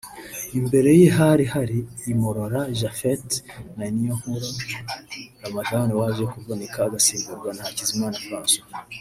Imbere ye hari hari Imurora Japhet na Niyonkuru Ramadhan waje kuvunika agasimburwa na Hakizimana Francois